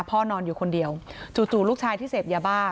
นอนอยู่คนเดียวจู่ลูกชายที่เสพยาบ้า